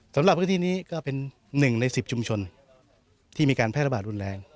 สำหรับพื้นที่นี้ก็เป็น๑ใน๑๐ชุมชนที่มีการแพร่ระบาดรุนแรง